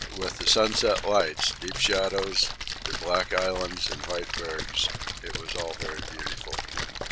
With the sunset lights, deep shadows, the black islands and white bergs it was all very beautiful.